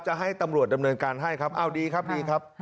จะให้ตำรวจดำเนินการให้ครับเอาดีครับดีครับ